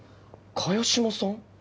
萱島さん？